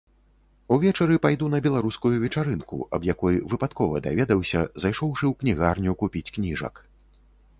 Увечары пайду на беларускую вечарынку, аб якой выпадкова даведаўся, зайшоўшы ў кнігарню купіць кніжак.